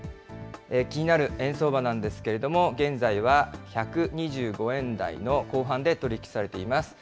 気になる円相場なんですけれども、現在は１２５円台の後半で取り引きされています。